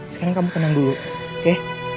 sekarang kamu tenang dulu oke